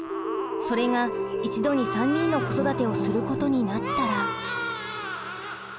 それが一度に３人の子育てをすることになったら。